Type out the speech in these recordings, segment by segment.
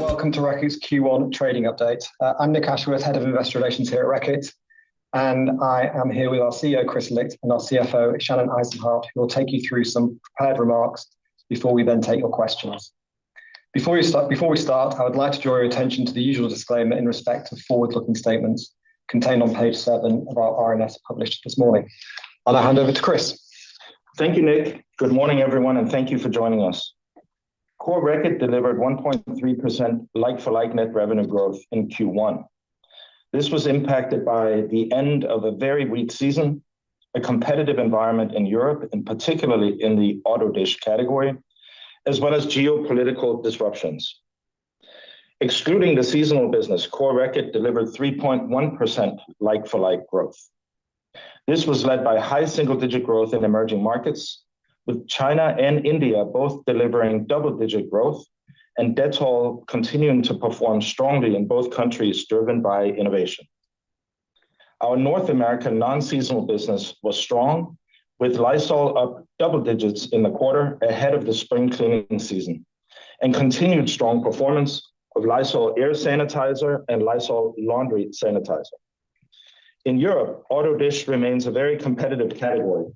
Welcome to Reckitt's Q1 trading update. I'm Nick Ashworth, Head of Investor Relations here at Reckitt, and I am here with our CEO, Kris Licht, and our CFO, Shannon Eisenhardt, who will take you through some prepared remarks before we then take your questions. Before we start, I would like to draw your attention to the usual disclaimer in respect to forward-looking statements contained on page seven of our RNS published this morning. I'll now hand over to Kris. Thank you, Nick. Good morning, everyone, and thank you for joining us. Core Reckitt delivered 1.3% like-for-like net revenue growth in Q1. This was impacted by the end of a very weak season, a competitive environment in Europe, and particularly in the auto dish category, as well as geopolitical disruptions. Excluding the seasonal business, Core Reckitt delivered 3.1% like-for-like growth. This was led by high single-digit growth in Emerging Markets, with China and India both delivering double-digit growth and Dettol continuing to perform strongly in both countries, driven by innovation. Our North American non-seasonal business was strong, with Lysol up double digits in the quarter ahead of the spring cleaning season, and continued strong performance of Lysol Air Sanitizer and Lysol Laundry Sanitizer. In Europe, auto dish remains a very competitive category,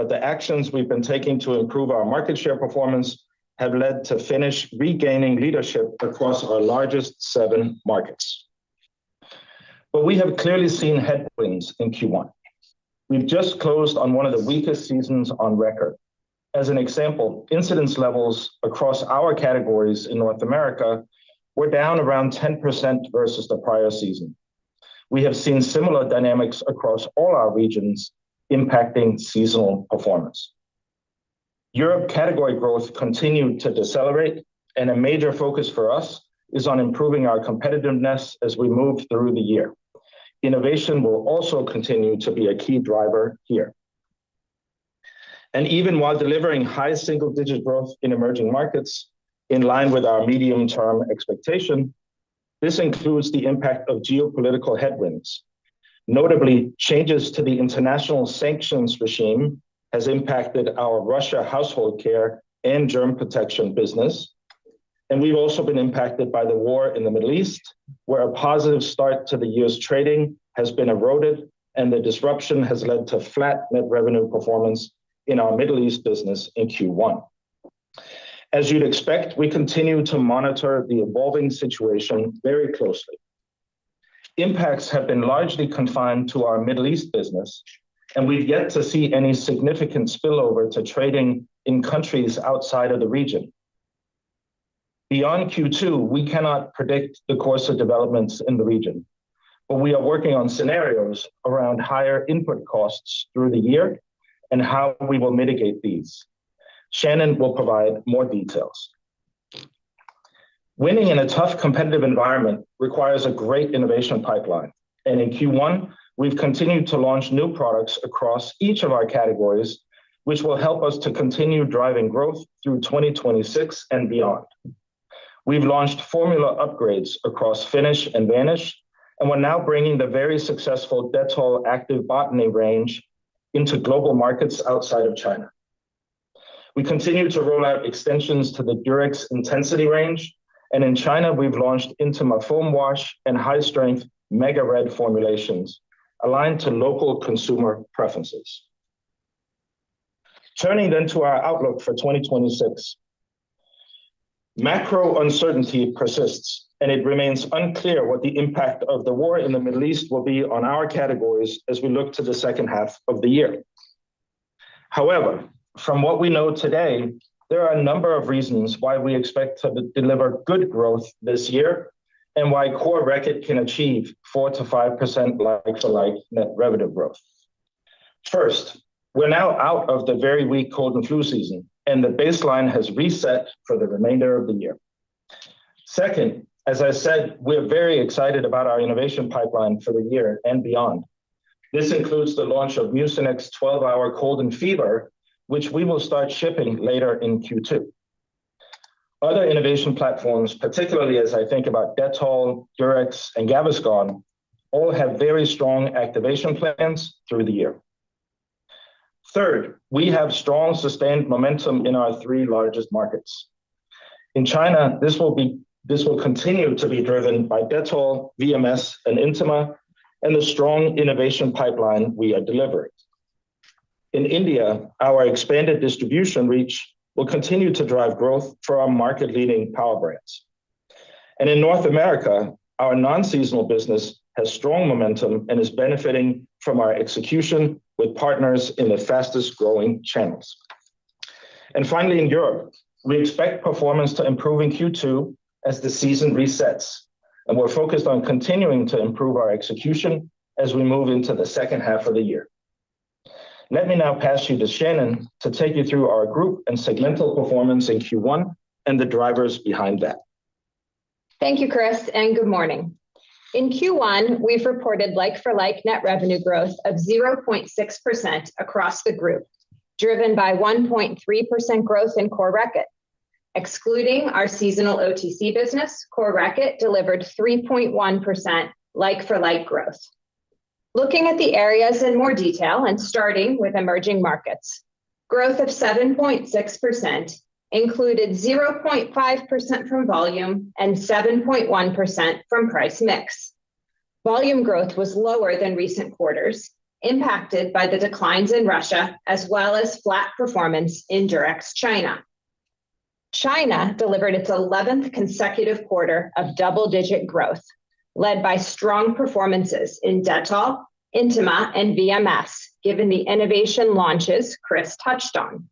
but the actions we've been taking to improve our market share performance have led to Finish regaining leadership across our largest seven markets. We have clearly seen headwinds in Q1. We've just closed on one of the weakest seasons on record. As an example, incidence levels across our categories in North America were down around 10% versus the prior season. We have seen similar dynamics across all our regions impacting seasonal performance. Europe category growth continued to decelerate, and a major focus for us is on improving our competitiveness as we move through the year. Innovation will also continue to be a key driver here. Even while delivering high single-digit growth in Emerging Markets, in line with our medium-term expectation, this includes the impact of geopolitical headwinds. Notably, changes to the international sanctions regime has impacted our Russia Household Care and Germ Protection business, and we've also been impacted by the war in the Middle East, where a positive start to the year's trading has been eroded, and the disruption has led to flat net revenue performance in our Middle East business in Q1. As you'd expect, we continue to monitor the evolving situation very closely. Impacts have been largely confined to our Middle East business, and we've yet to see any significant spillover to trading in countries outside of the region. Beyond Q2, we cannot predict the course of developments in the region, but we are working on scenarios around higher input costs through the year and how we will mitigate these. Shannon will provide more details. Winning in a tough competitive environment requires a great innovation pipeline, and in Q1, we've continued to launch new products across each of our categories, which will help us to continue driving growth through 2026 and beyond. We've launched formula upgrades across Finish and Vanish, and we're now bringing the very successful Dettol Activ-Botany range into global markets outside of China. We continue to roll out extensions to the Durex Intensity range, and in China, we've launched Intima foam wash and high-strength MegaRed formulations aligned to local consumer preferences. Turning to our outlook for 2026. Macro uncertainty persists, and it remains unclear what the impact of the war in the Middle East will be on our categories as we look to the second half of the year. However, from what we know today, there are a number of reasons why we expect to deliver good growth this year and why Core Reckitt can achieve 4%-5% like-for-like net revenue growth. First, we're now out of the very weak cold and flu season, and the baseline has reset for the remainder of the year. Second, as I said, we're very excited about our innovation pipeline for the year and beyond. This includes the launch of Mucinex 12-Hour Cold and Fever, which we will start shipping later in Q2. Other innovation platforms, particularly as I think about Dettol, Durex, and Gaviscon, all have very strong activation plans through the year. Third, we have strong sustained momentum in our three largest markets. In China, this will continue to be driven by Dettol, VMS, and Intima, and the strong innovation pipeline we are delivering. In India, our expanded distribution reach will continue to drive growth for our market-leading power brands. In North America, our non-seasonal business has strong momentum and is benefiting from our execution with partners in the fastest-growing channels. Finally, in Europe, we expect performance to improve in Q2 as the season resets, and we're focused on continuing to improve our execution as we move into the second half of the year. Let me now pass you to Shannon to take you through our group and segmental performance in Q1 and the drivers behind that. Thank you, Kris, and good morning. In Q1, we've reported like-for-like net revenue growth of 0.6% across the group, driven by 1.3% growth in Core Reckitt. Excluding our seasonal OTC business, Core Reckitt delivered 3.1% like-for-like growth. Looking at the areas in more detail and starting with Emerging Markets. Growth of 7.6% included 0.5% from volume and 7.1% from price mix. Volume growth was lower than recent quarters, impacted by the declines in Russia, as well as flat performance in Durex China. China delivered its 11th consecutive quarter of double-digit growth, led by strong performances in Dettol, Intima, and VMS, given the innovation launches Kris touched on.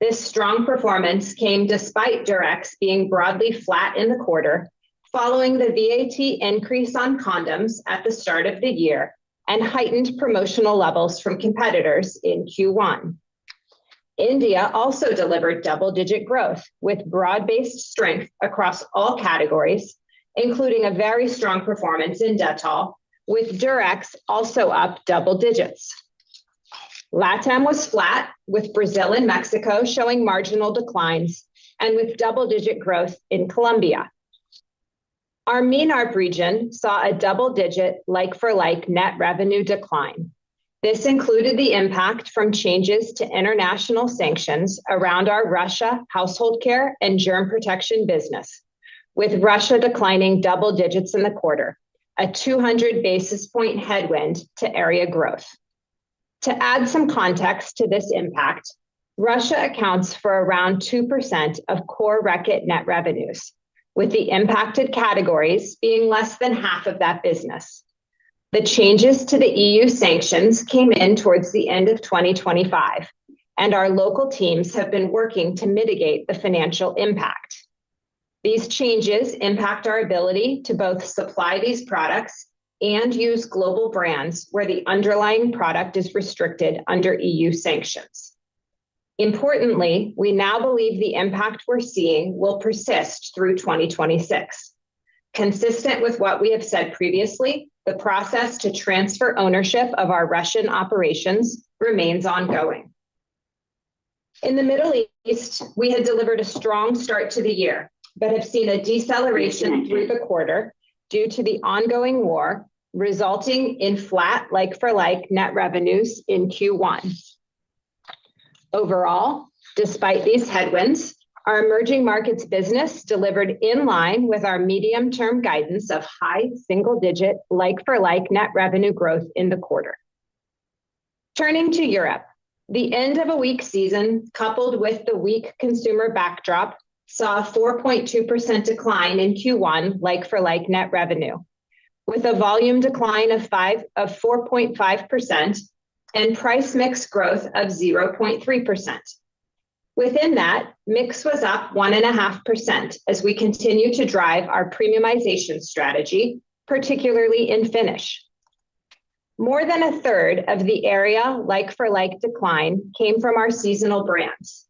This strong performance came despite Durex being broadly flat in the quarter, following the VAT increase on condoms at the start of the year, and heightened promotional levels from competitors in Q1. India also delivered double-digit growth, with broad-based strength across all categories, including a very strong performance in Dettol, with Durex also up double digits. LATAM was flat, with Brazil and Mexico showing marginal declines and with double-digit growth in Colombia. Our MENAP region saw a double-digit like-for-like net revenue decline. This included the impact from changes to international sanctions around our Russia Household Care and Germ Protection business, with Russia declining double digits in the quarter, a 200 basis point headwind to area growth. To add some context to this impact, Russia accounts for around 2% of Core Reckitt net revenues, with the impacted categories being less than half of that business. The changes to the EU sanctions came in towards the end of 2025, and our local teams have been working to mitigate the financial impact. These changes impact our ability to both supply these products and use global brands where the underlying product is restricted under EU sanctions. Importantly, we now believe the impact we're seeing will persist through 2026. Consistent with what we have said previously, the process to transfer ownership of our Russian operations remains ongoing. In the Middle East, we had delivered a strong start to the year, but have seen a deceleration through the quarter due to the ongoing war, resulting in flat like-for-like net revenues in Q1. Overall, despite these headwinds, our Emerging Markets business delivered in line with our medium-term guidance of high single digit like-for-like net revenue growth in the quarter. Turning to Europe, the end of a weak season coupled with the weak consumer backdrop, saw a 4.2% decline in Q1 like-for-like net revenue, with a volume decline of 4.5% and price mix growth of 0.3%. Within that, mix was up 1.5% as we continue to drive our premiumization strategy, particularly in Finish. More than 1/3 of the area like-for-like decline came from our seasonal brands,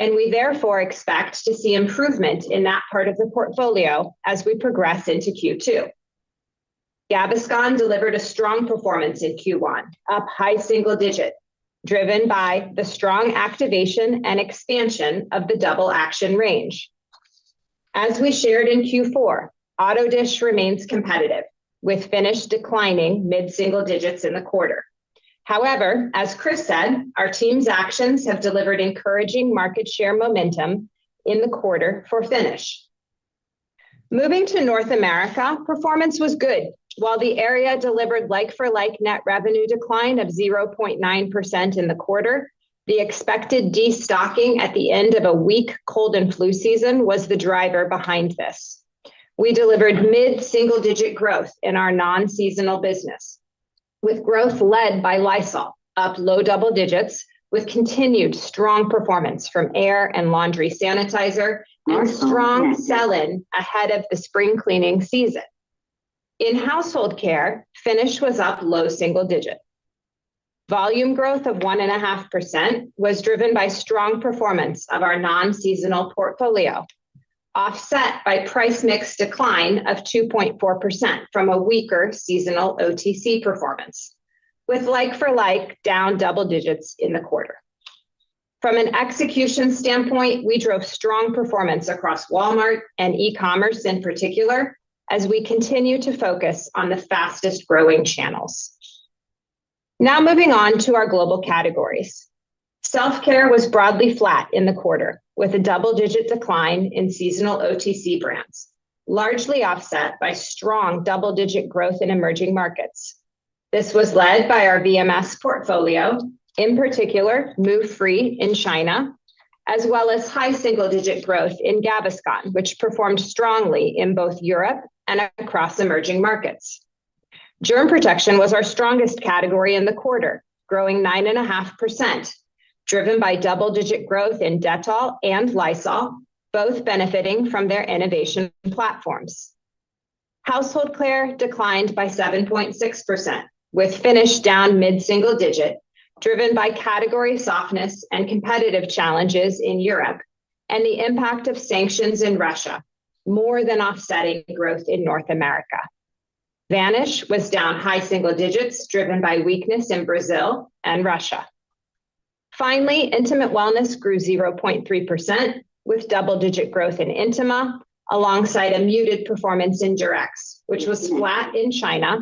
and we therefore expect to see improvement in that part of the portfolio as we progress into Q2. Gaviscon delivered a strong performance in Q1, up high single-digit, driven by the strong activation and expansion of the Double Action range. As we shared in Q4, auto dish remains competitive, with Finish declining mid-single-digit in the quarter. However, as Kris said, our team's actions have delivered encouraging market share momentum in the quarter for Finish. Moving to North America, performance was good. While the area delivered like-for-like net revenue decline of 0.9% in the quarter, the expected destocking at the end of a weak cold and flu season was the driver behind this. We delivered mid-single-digit growth in our non-seasonal business, with growth led by Lysol up low double-digit, with continued strong performance from Air Sanitizer and Laundry Sanitizer, and strong sell-in ahead of the spring cleaning season. In household care, Finish was up low single-digit. Volume growth of 1.5% was driven by strong performance of our non-seasonal portfolio, offset by price mix decline of 2.4% from a weaker seasonal OTC performance, with like-for-like down double digits in the quarter. From an execution standpoint, we drove strong performance across Walmart and e-commerce in particular, as we continue to focus on the fastest-growing channels. Now moving on to our global categories. Self Care was broadly flat in the quarter, with a double-digit decline in seasonal OTC brands, largely offset by strong double-digit growth in emerging markets. This was led by our VMS portfolio, in particular Move Free in China, as well as high single-digit growth in Gaviscon, which performed strongly in both Europe and across emerging markets. Germ Protection was our strongest category in the quarter, growing 9.5%, driven by double-digit growth in Dettol and Lysol, both benefiting from their innovation platforms. Household Care declined by 7.6%, with Finish down mid-single digit, driven by category softness and competitive challenges in Europe and the impact of sanctions in Russia, more than offsetting growth in North America. Vanish was down high single digits, driven by weakness in Brazil and Russia. Finally, Intimate Wellness grew 0.3% with double-digit growth in Intima, alongside a muted performance in Durex, which was flat in China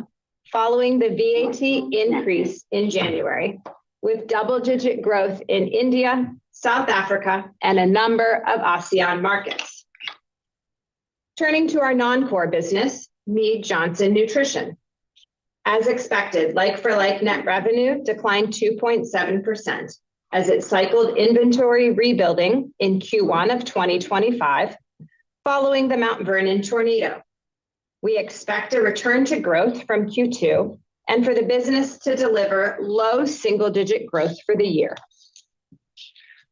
following the VAT increase in January, with double-digit growth in India, South Africa, and a number of ASEAN markets. Turning to our non-core business, Mead Johnson Nutrition. As expected, like-for-like net revenue declined 2.7% as it cycled inventory rebuilding in Q1 of 2025, following the Mount Vernon tornado. We expect a return to growth from Q2 and for the business to deliver low double-digit growth for the year.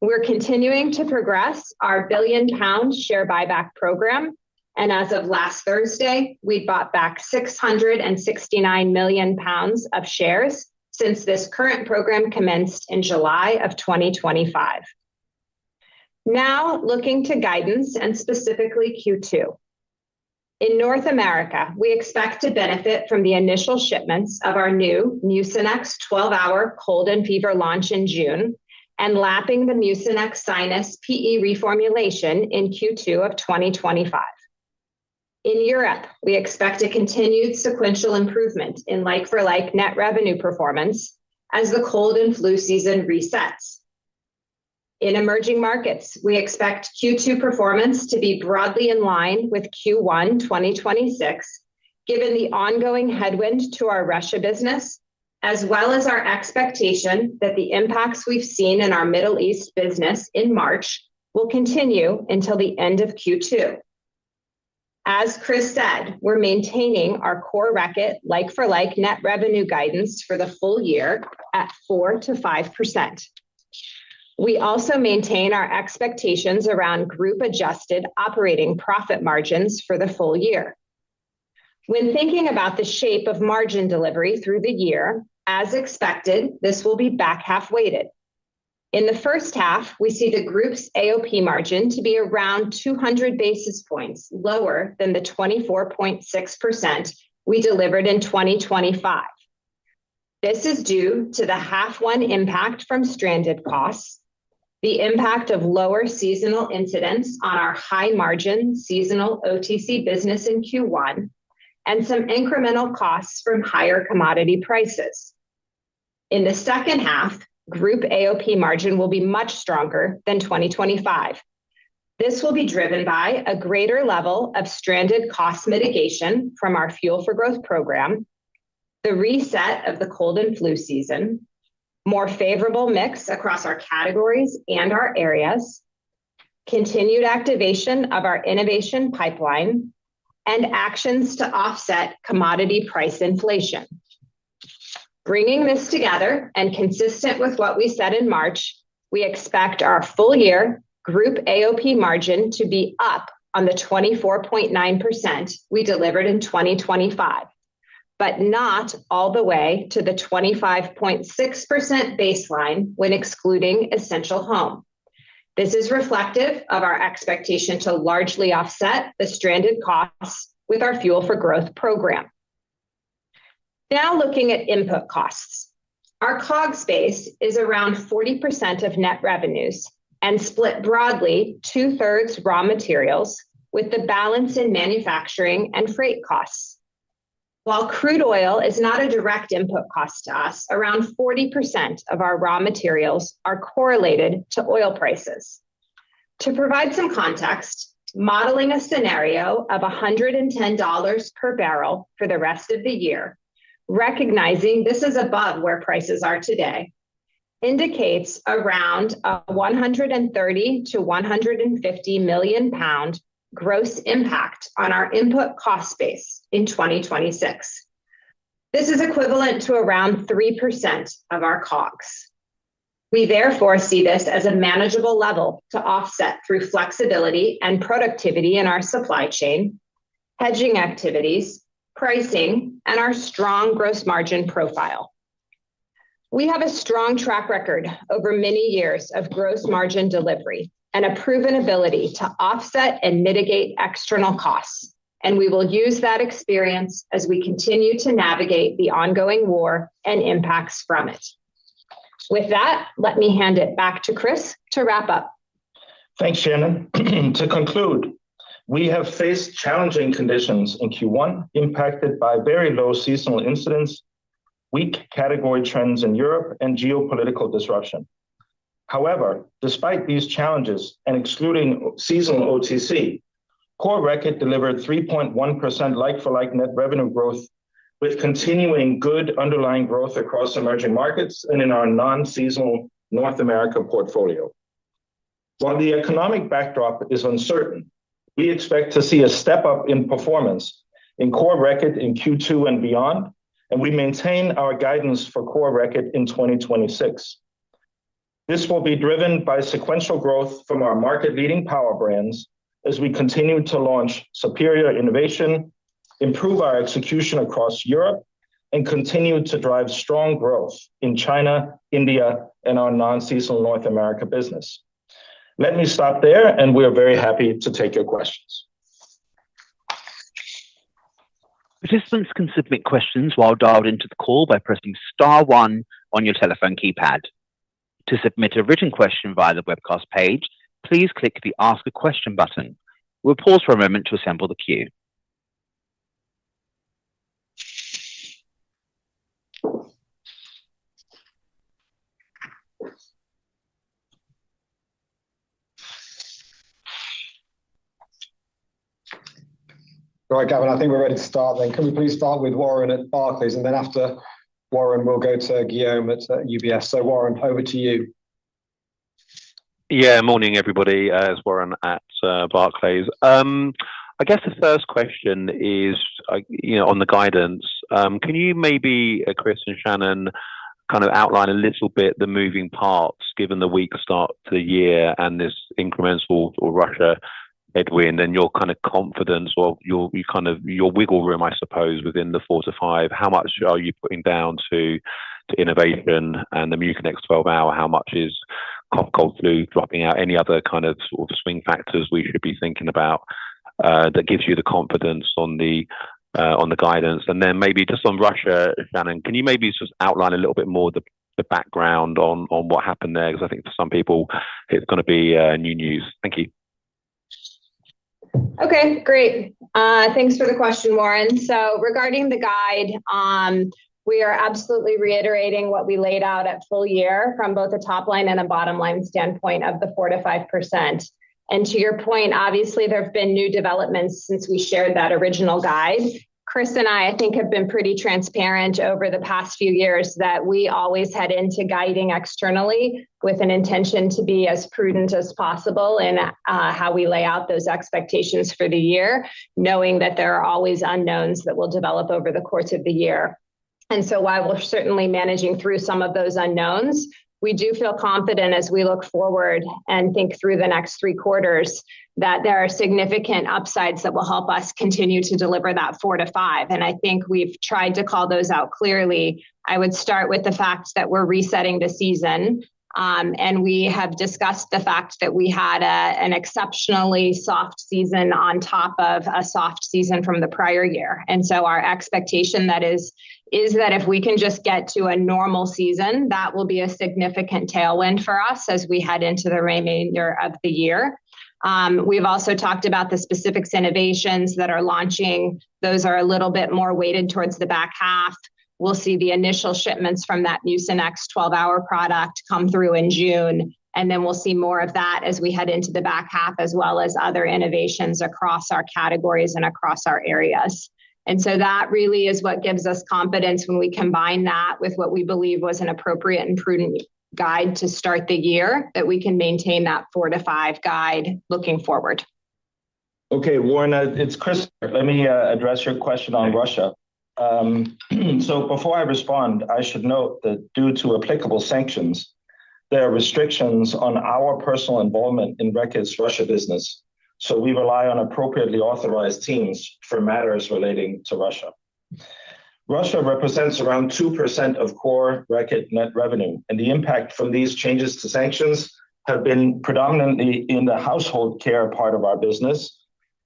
We're continuing to progress our 1 billion pound share buyback program, and as of last Thursday, we'd bought back 669 million pounds of shares since this current program commenced in July of 2025. Now, looking to guidance, and specifically Q2. In North America, we expect to benefit from the initial shipments of our new Mucinex 12-Hour Cold and Fever launch in June, and lapping the Mucinex Sinus PE reformulation in Q2 of 2025. In Europe, we expect a continued sequential improvement in like-for-like net revenue performance as the cold and flu season resets. In Emerging Markets, we expect Q2 performance to be broadly in line with Q1 2026, given the ongoing headwind to our Russia business, as well as our expectation that the impacts we've seen in our Middle East business in March will continue until the end of Q2. As Kris said, we're maintaining our Core Reckitt like-for-like net revenue guidance for the full year at 4%-5%. We also maintain our expectations around group-adjusted operating profit margins for the full year. When thinking about the shape of margin delivery through the year, as expected, this will be back-half weighted. In the first half, we see the group's AOP margin to be around 200 basis points lower than the 24.6% we delivered in 2025. This is due to the half one impact from stranded costs, the impact of lower seasonal incidence on our high-margin seasonal OTC business in Q1, and some incremental costs from higher commodity prices. In the second half, group AOP margin will be much stronger than 2025. This will be driven by a greater level of stranded costs mitigation from our Fuel for Growth program, the reset of the cold and flu season, more favorable mix across our categories and our areas, continued activation of our innovation pipeline, and actions to offset commodity price inflation. Bringing this together and consistent with what we said in March, we expect our full-year group AOP margin to be up on the 24.9% we delivered in 2025, but not all the way to the 25.6% baseline when excluding Essential Home. This is reflective of our expectation to largely offset the stranded costs with our Fuel for Growth program. Now looking at input costs. Our COGS base is around 40% of net revenues and split broadly 2/3 raw materials, with the balance in manufacturing and freight costs. While crude oil is not a direct input cost to us, around 40% of our raw materials are correlated to oil prices. To provide some context, modeling a scenario of $110 per barrel for the rest of the year, recognizing this is above where prices are today, indicates around a 130 million-150 million pound gross impact on our input cost base in 2026. This is equivalent to around 3% of our COGS. We therefore see this as a manageable level to offset through flexibility and productivity in our supply chain, hedging activities, pricing, and our strong gross margin profile. We have a strong track record over many years of gross margin delivery and a proven ability to offset and mitigate external costs, and we will use that experience as we continue to navigate the ongoing war and impacts from it. With that, let me hand it back to Kris to wrap up. Thanks, Shannon. To conclude, we have faced challenging conditions in Q1, impacted by very low seasonal incidents, weak category trends in Europe, and geopolitical disruption. However, despite these challenges, and excluding seasonal OTC, Core Reckitt delivered 3.1% like-for-like net revenue growth, with continuing good underlying growth across Emerging Markets and in our non-seasonal North America portfolio. While the economic backdrop is uncertain, we expect to see a step-up in performance in Core Reckitt in Q2 and beyond, and we maintain our guidance for Core Reckitt in 2026. This will be driven by sequential growth from our market-leading power brands as we continue to launch superior innovation, improve our execution across Europe, and continue to drive strong growth in China, India, and our non-seasonal North America business. Let me stop there, and we are very happy to take your questions. Participants can submit questions while dialed into the call by pressing star one on your telephone keypad. To submit a written question via the webcast page, please click the Ask a Question button. We'll pause for a moment to assemble the queue. All right, Gavin, I think we're ready to start then. Can we please start with Warren at Barclays, and then after Warren, we'll go to Guillaume at UBS. Warren, over to you. Yeah. Morning, everybody. It's Warren at Barclays. I guess the first question is on the guidance. Can you maybe, Kris and Shannon, kind of outline a little bit the moving parts given the weak start to the year and this incremental Russia headwind and your kind of confidence or your wiggle room, I suppose, within the 4%-5%, how much are you putting down to innovation and the Mucinex 12-Hour? How much is cold/flu dropping out? Any other kind of sort of swing factors we should be thinking about that gives you the confidence on the guidance? Then maybe just on Russia, Shannon, can you maybe just outline a little bit more the background on what happened there? Because I think for some people it's going to be new news. Thank you. Okay, great. Thanks for the question, Warren. Regarding the guide, we are absolutely reiterating what we laid out at full year from both a top-line and a bottom-line standpoint of the 4%-5%. To your point, obviously there have been new developments since we shared that original guide. Kris and I think, have been pretty transparent over the past few years that we always head into guiding externally with an intention to be as prudent as possible in how we lay out those expectations for the year, knowing that there are always unknowns that will develop over the course of the year. While we're certainly managing through some of those unknowns, we do feel confident as we look forward and think through the next three quarters that there are significant upsides that will help us continue to deliver that 4%-5%. I think we've tried to call those out clearly. I would start with the fact that we're resetting the season, and we have discussed the fact that we had an exceptionally soft season on top of a soft season from the prior year. Our expectation is that if we can just get to a normal season, that will be a significant tailwind for us as we head into the remainder of the year. We've also talked about the specific innovations that are launching. Those are a little bit more weighted towards the back half. We'll see the initial shipments from that new Mucinex 12-Hour product come through in June, and then we'll see more of that as we head into the back half, as well as other innovations across our categories and across our areas. That really is what gives us confidence when we combine that with what we believe was an appropriate and prudent guide to start the year, that we can maintain that 4%-5% guide looking forward. Okay, Warren, it's Kris. Let me address your question on Russia. Before I respond, I should note that due to applicable sanctions, there are restrictions on our personal involvement in Reckitt's Russia business, so we rely on appropriately authorized teams for matters relating to Russia. Russia represents around 2% of Core Reckitt net revenue, and the impact from these changes to sanctions have been predominantly in the household care part of our business,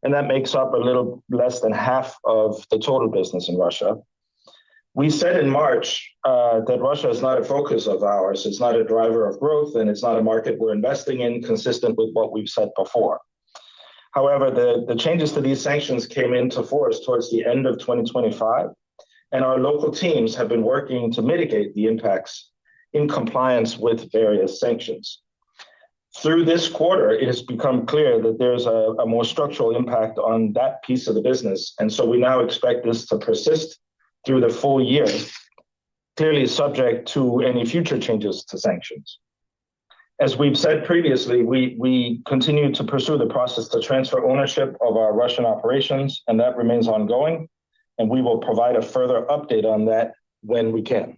and that makes up a little less than half of the total business in Russia. We said in March that Russia is not a focus of ours, it's not a driver of growth, and it's not a market we're investing in, consistent with what we've said before. However, the changes to these sanctions came into force towards the end of 2025, and our local teams have been working to mitigate the impacts in compliance with various sanctions. Through this quarter, it has become clear that there's a more structural impact on that piece of the business, and so we now expect this to persist through the full year, clearly subject to any future changes to sanctions. As we've said previously, we continue to pursue the process to transfer ownership of our Russian operations, and that remains ongoing, and we will provide a further update on that when we can.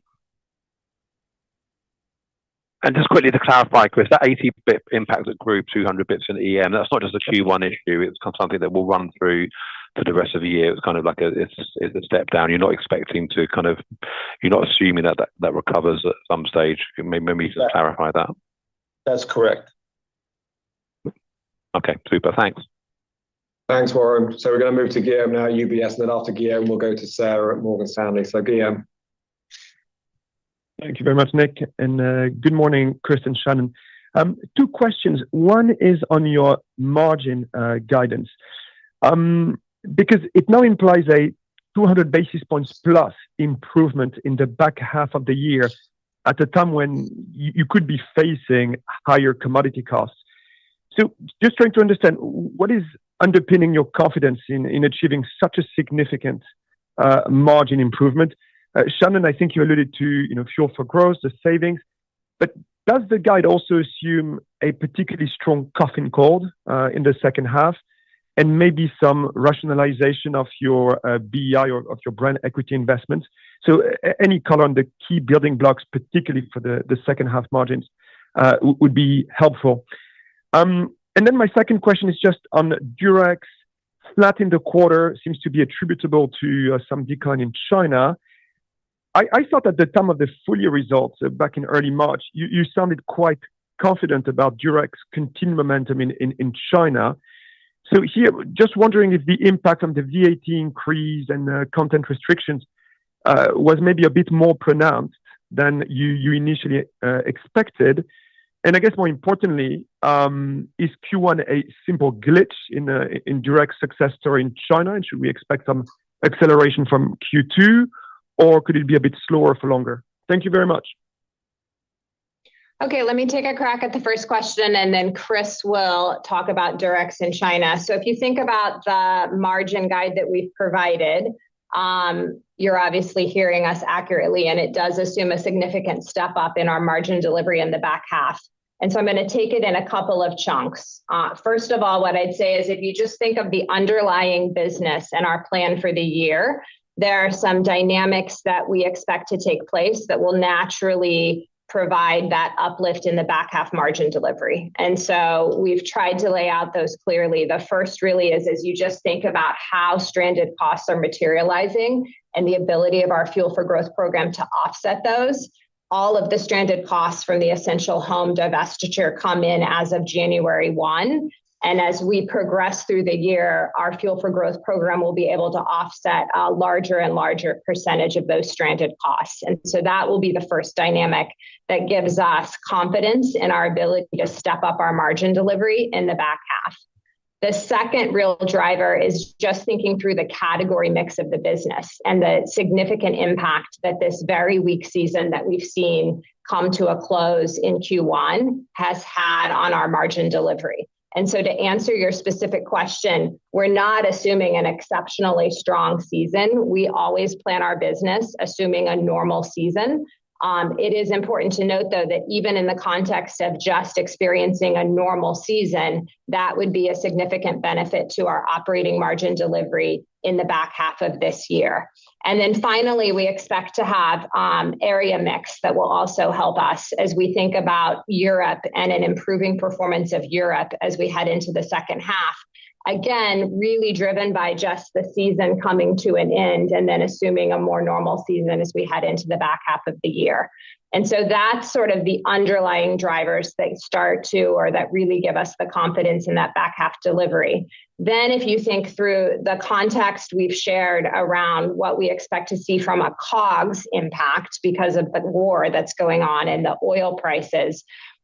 Just quickly to clarify, Kris, that 80 basis points impact at group, 200 basis points in EIM, that's not just a Q1 issue, it's something that will run through for the rest of the year. It's kind of like a step down. You're not assuming that recovers at some stage. Maybe just clarify that. That's correct. Okay, super. Thanks. Thanks, Warren. We're going to move to Guillaume now at UBS, and then after Guillaume, we'll go to Sarah at Morgan Stanley. Guillaume. Thank you very much, Nick. Good morning, Kris and Shannon. Two questions. One is on your margin guidance. Because it now implies a 200 basis points plus improvement in the back half of the year at a time when you could be facing higher commodity costs. Just trying to understand, what is underpinning your confidence in achieving such a significant margin improvement? Shannon, I think you alluded to Fuel for Growth, the savings, but does the guide also assume a particularly strong cough and cold in the second half and maybe some rationalization of your BEI or of your brand equity investments? Any color on the key building blocks, particularly for the second half margins, would be helpful. Then my second question is just on Durex. Flat in the quarter seems to be attributable to some decline in China. I thought at the time of the full year results back in early March, you sounded quite confident about Durex continued momentum in China. Here, just wondering if the impact on the VAT increase and the content restrictions was maybe a bit more pronounced than you initially expected. I guess more importantly, is Q1 a simple glitch in Durex success story in China, and should we expect some acceleration from Q2, or could it be a bit slower for longer? Thank you very much. Okay, let me take a crack at the first question, and then Kris will talk about Durex in China. If you think about the margin guide that we've provided, you're obviously hearing us accurately, and it does assume a significant step up in our margin delivery in the back half. I'm going to take it in a couple of chunks. First of all, what I'd say is, if you just think of the underlying business and our plan for the year, there are some dynamics that we expect to take place that will naturally provide that uplift in the back half margin delivery. We've tried to lay out those clearly. The first really is, if you just think about how stranded costs are materializing and the ability of our Fuel for Growth program to offset those. All of the stranded costs from the Essential Home divestiture come in as of January 1, and as we progress through the year, our Fuel for Growth program will be able to offset a larger and larger percentage of those stranded costs. That will be the first dynamic that gives us confidence in our ability to step up our margin delivery in the back half. The second real driver is just thinking through the category mix of the business and the significant impact that this very weak season that we've seen come to a close in Q1 has had on our margin delivery. To answer your specific question, we're not assuming an exceptionally strong season. We always plan our business assuming a normal season. It is important to note, though, that even in the context of just experiencing a normal season, that would be a significant benefit to our operating margin delivery in the back half of this year. Then finally, we expect to have area mix that will also help us as we think about Europe and an improving performance of Europe as we head into the second half. Again, really driven by just the season coming to an end and then assuming a more normal season as we head into the back half of the year. That's sort of the underlying drivers that start to, or that really give us the confidence in that back half delivery. If you think through the context we've shared around what we expect to see from a COGS impact because of the war that's going on and the oil prices,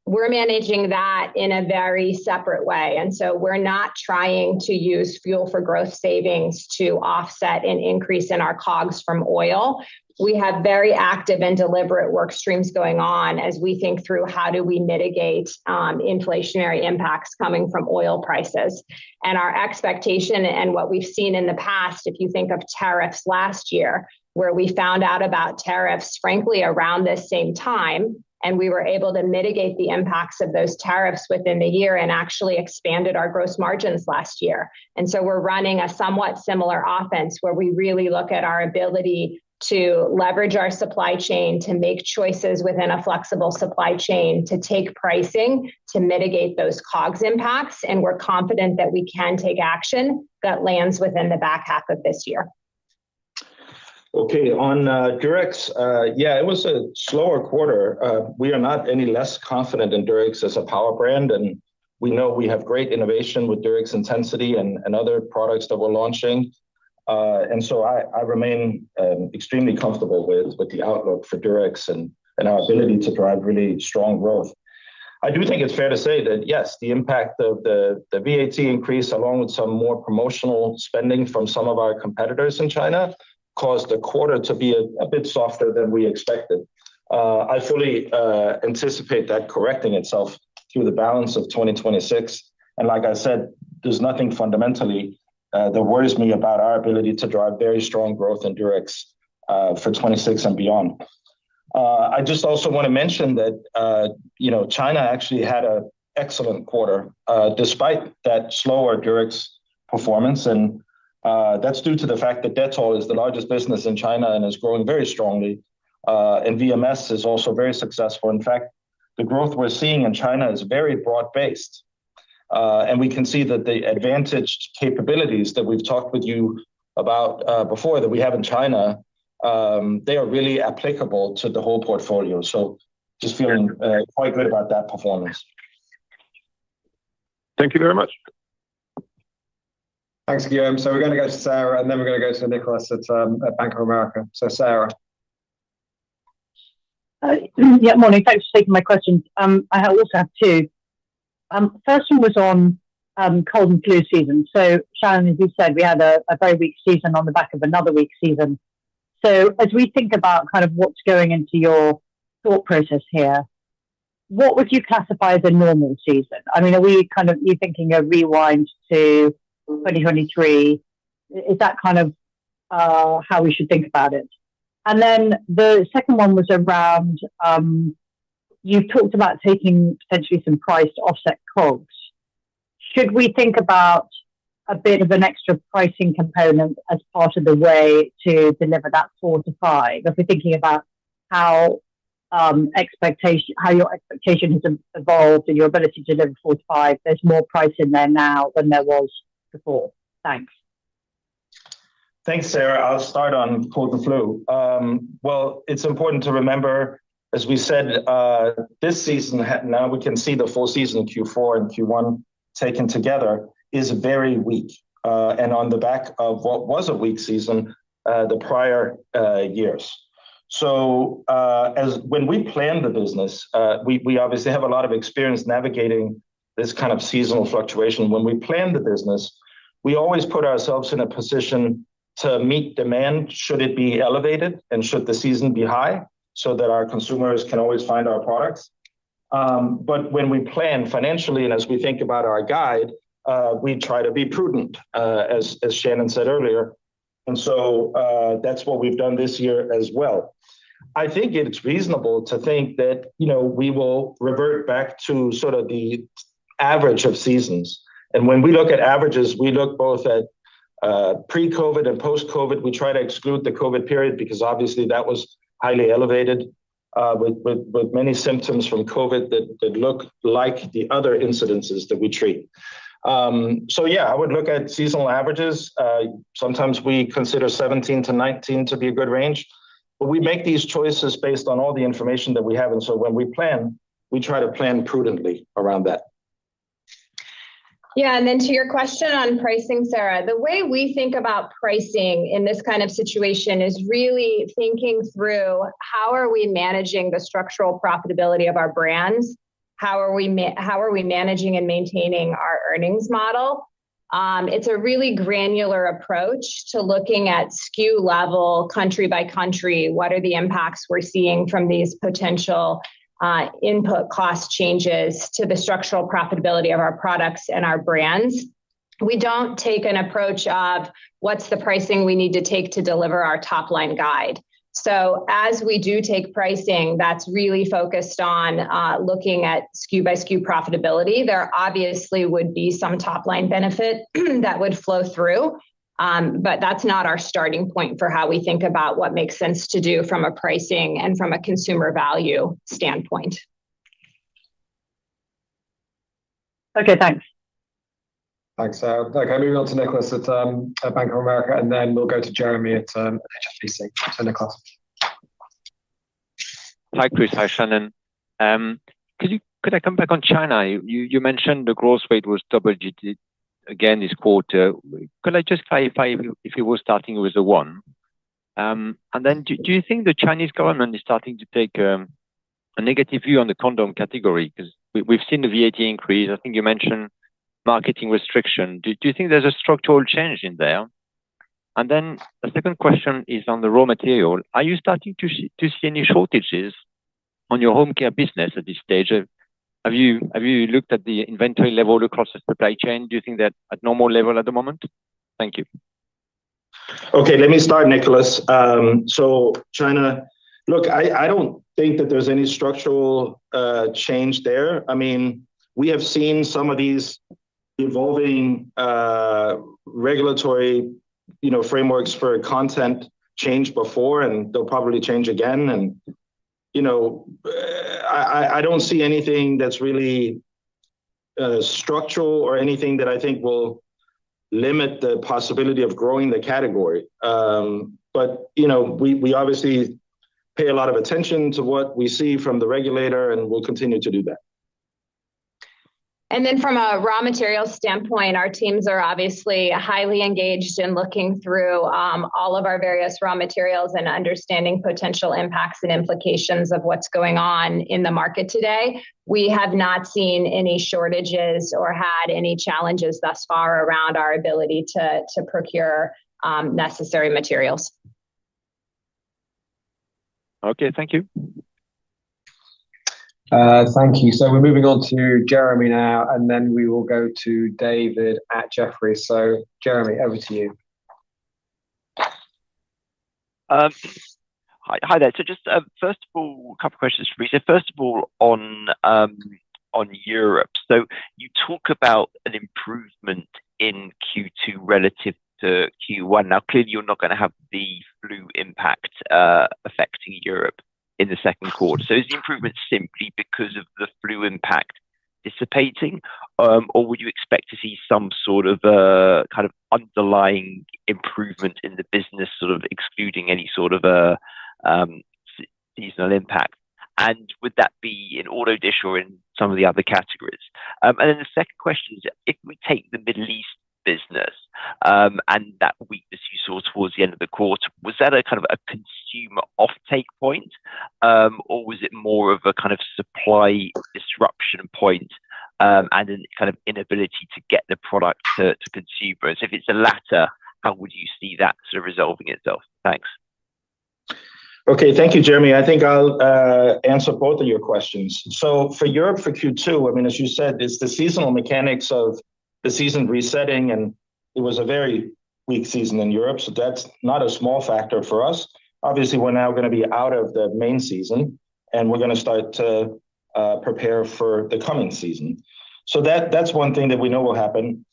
we're managing that in a very separate way. We're not trying to use Fuel for Growth savings to offset an increase in our COGS from oil. We have very active and deliberate work streams going on as we think through how do we mitigate inflationary impacts coming from oil prices. Our expectation and what we've seen in the past, if you think of tariffs last year, where we found out about tariffs, frankly, around this same time, and we were able to mitigate the impacts of those tariffs within the year and actually expanded our gross margins last year. We're running a somewhat similar offense where we really look at our ability to leverage our supply chain, to make choices within a flexible supply chain, to take pricing to mitigate those COGS impacts. We're confident that we can take action that lands within the back half of this year. Okay, on Durex, yeah, it was a slower quarter. We are not any less confident in Durex as a power brand, and we know we have great innovation with Durex Intensity and other products that we're launching. I remain extremely comfortable with the outlook for Durex and our ability to drive really strong growth. I do think it's fair to say that, yes, the impact of the VAT increase, along with some more promotional spending from some of our competitors in China, caused the quarter to be a bit softer than we expected. I fully anticipate that correcting itself through the balance of 2026. Like I said, there's nothing fundamentally that worries me about our ability to drive very strong growth in Durex for 2026 and beyond. I just also want to mention that China actually had an excellent quarter despite that slower Durex performance. That's due to the fact that Dettol is the largest business in China and is growing very strongly. VMS is also very successful. In fact, the growth we're seeing in China is very broad-based. We can see that the advantaged capabilities that we've talked with you about before that we have in China, they are really applicable to the whole portfolio. Just feeling quite good about that performance. Thank you very much. Thanks, Guillaume. We're going to go to Sarah, and then we're going to go to Nicholas at Bank of America. Sarah. Morning. Thanks for taking my questions. I also have two. First one was on cold and flu season. Shannon, as you said, we had a very weak season on the back of another weak season. As we think about kind of what's going into your thought process here, what would you classify as a normal season? Are you thinking of rewind to 2023? Is that kind of how we should think about it? Then the second one was around, you talked about taking potentially some price to offset COGS. Should we think about a bit of an extra pricing component as part of the way to deliver that 4%-5%? If we're thinking about how your expectation has evolved and your ability to deliver forward 5%. There's more price in there now than there was before. Thanks. Thanks, Sarah. I'll start on cold and flu. Well, it's important to remember, as we said, this season, now we can see the full season, Q4 and Q1 taken together is very weak on the back of what was a weak season the prior years. When we plan the business, we obviously have a lot of experience navigating this kind of seasonal fluctuation. When we plan the business, we always put ourselves in a position to meet demand should it be elevated and should the season be high, so that our consumers can always find our products. When we plan financially, and as we think about our guide, we try to be prudent, as Shannon said earlier. That's what we've done this year as well. I think it's reasonable to think that we will revert back to sort of the average of seasons. When we look at averages, we look both at pre-COVID and post-COVID. We try to exclude the COVID period, because obviously that was highly elevated, with many symptoms from COVID that look like the other incidences that we treat. Yeah, I would look at seasonal averages. Sometimes we consider 17-19 to be a good range, but we make these choices based on all the information that we have. When we plan, we try to plan prudently around that. Yeah. To your question on pricing, Sarah, the way we think about pricing in this kind of situation is really thinking through how are we managing the structural profitability of our brands? How are we managing and maintaining our earnings model? It's a really granular approach to looking at SKU level, country by country. What are the impacts we're seeing from these potential input cost changes to the structural profitability of our products and our brands? We don't take an approach of what's the pricing we need to take to deliver our top-line guide. As we do take pricing that's really focused on looking at SKU by SKU profitability, there obviously would be some top-line benefit that would flow through. That's not our starting point for how we think about what makes sense to do from a pricing and from a consumer value standpoint. Okay, thanks. Thanks, Sarah. Okay, moving on to Nicholas at Bank of America, and then we'll go to Jeremy at HSBC. Nicholas. Hi, Kris. Hi, Shannon. Could I come back on China? You mentioned the growth rate was double digits again this quarter. Could I just clarify if it was starting with a one? Then do you think the Chinese government is starting to take a negative view on the condom category? Because we've seen the VAT increase. I think you mentioned marketing restriction. Do you think there's a structural change in there? Then the second question is on the raw material. Are you starting to see any shortages on your home care business at this stage? Have you looked at the inventory level across the supply chain? Do you think they're at normal level at the moment? Thank you. Okay, let me start, Nicholas. China, look, I don't think that there's any structural change there. We have seen some of these evolving regulatory frameworks for content change before, and they'll probably change again, and I don't see anything that's really structural or anything that I think will limit the possibility of growing the category. We obviously pay a lot of attention to what we see from the regulator, and we'll continue to do that. From a raw material standpoint, our teams are obviously highly engaged in looking through all of our various raw materials and understanding potential impacts and implications of what's going on in the market today. We have not seen any shortages or had any challenges thus far around our ability to procure necessary materials. Okay. Thank you. Thank you. We're moving on to Jeremy now, and then we will go to David at Jefferies. Jeremy, over to you. Hi there. Just first of all, couple questions for me. First of all on Europe. You talk about an improvement in Q2 relative to Q1. Now, clearly you're not going to have the flu impact affecting Europe in the second quarter. Is the improvement simply because of the flu impact dissipating? Or would you expect to see some sort of underlying improvement in the business, sort of excluding any sort of a seasonal impact? And would that be in auto dish or in some of the other categories? And then the second question is, if we take the Middle East business, and that weakness you saw towards the end of the quarter, was that a kind of a consumer offtake point? Or was it more of a kind of supply disruption point, and a kind of inability to get the product to consumers? If it's the latter, how would you see that sort of resolving itself? Thanks. Okay. Thank you, Jeremy. I think I'll answer both of your questions. For Europe, for Q2, as you said, it's the seasonal mechanics of the season resetting, and it was a very weak season in Europe, so that's not a small factor for us. Obviously, we're now going to be out of the main season, and we're going to start to prepare for the coming season. That's one thing that we know will happen.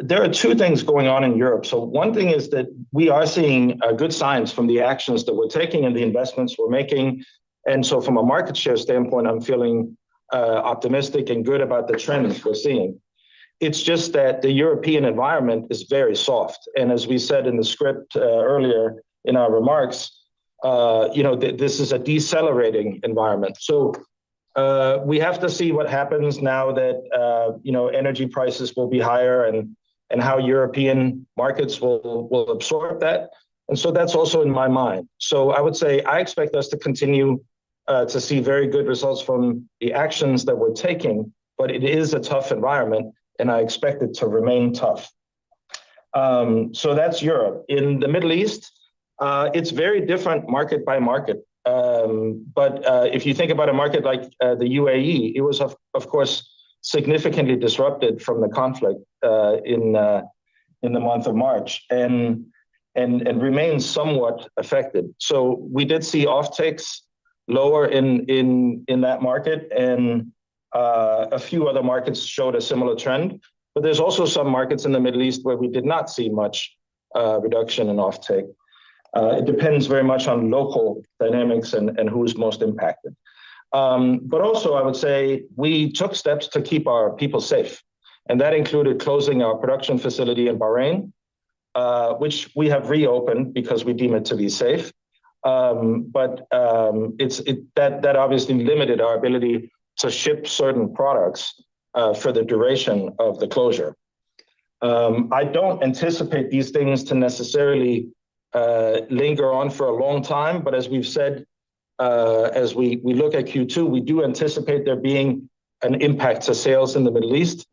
There are two things going on in Europe. One thing is that we are seeing good signs from the actions that we're taking and the investments we're making. From a market share standpoint, I'm feeling optimistic and good about the trends we're seeing. It's just that the European environment is very soft. As we said in the script earlier in our remarks, this is a decelerating environment. We have to see what happens now that energy prices will be higher and how European markets will absorb that. That's also in my mind. I would say I expect us to continue to see very good results from the actions that we're taking, but it is a tough environment, and I expect it to remain tough. That's Europe. In the Middle East, it's very different market by market. If you think about a market like the UAE, it was, of course, significantly disrupted from the conflict in the month of March and remains somewhat affected. We did see offtakes lower in that market, and a few other markets showed a similar trend. There's also some markets in the Middle East where we did not see much reduction in offtake. It depends very much on local dynamics and who's most impacted. I would say we took steps to keep our people safe, and that included closing our production facility in Bahrain, which we have reopened because we deem it to be safe. That obviously limited our ability to ship certain products for the duration of the closure. I don't anticipate these things to necessarily linger on for a long time, but as we've said, as we look at Q2, we do anticipate there being an impact to sales in the Middle East.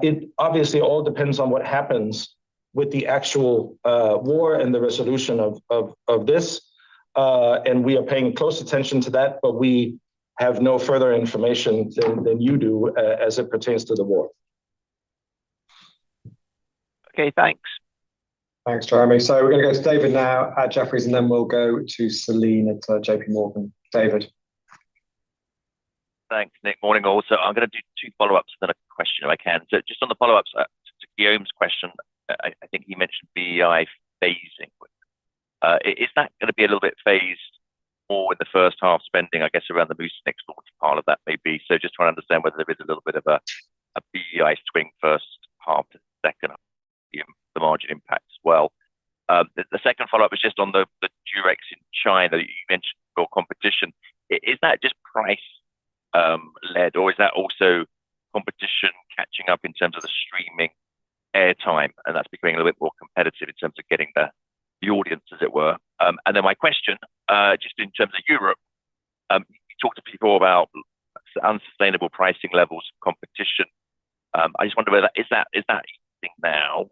It obviously all depends on what happens with the actual war and the resolution of this, and we are paying close attention to that, but we have no further information than you do as it pertains to the war. Okay, thanks. Thanks, Jeremy. We're going to go to David now at Jefferies, and then we'll go to Celine at JPMorgan. David. Thanks, Nick. Morning also. I'm going to do two follow-ups, then a question, if I can. Just on the follow-ups, to Guillaume's question, I think he mentioned BEI phasing. Is that going to be a little bit phased more with the first half spending, I guess, around the [Boost] next launch part of that, maybe? Just trying to understand whether there is a little bit of a BEI swing first half to second, the margin impact as well. The second follow-up is just on the Durex in China. You mentioned your competition. Is that just price-led, or is that also competition catching up in terms of the streaming air time, and that's becoming a little bit more competitive in terms of getting the audience, as it were? Then my question, just in terms of Europe, you talk to people about unsustainable pricing levels competition. I just wonder, is that a thing now?